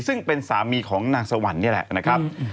ซึ่งเป็นสามีของนางสวรรค์เนี่ยแหละ